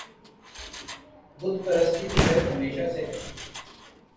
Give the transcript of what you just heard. بت پرستی تو خیر ہمیشہ سے ہی